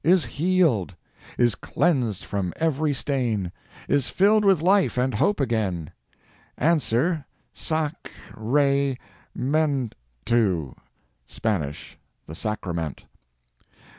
Is healed! is cleansed from every stain! Is filled with life and hope again. Answer—Sac(k) ra(y) men to(e,)— (Spanish—The Sacrament.)